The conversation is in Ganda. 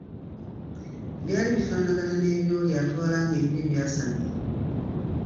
Byaali bifaanagana n’ebyoli atwala ng’ebibye byasamye.